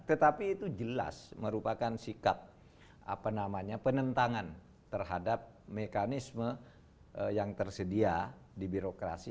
tetapi itu jelas merupakan sikap penentangan terhadap mekanisme yang tersedia di birokrasi